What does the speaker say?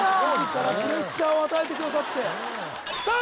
自らプレッシャーを与えてくださってさあ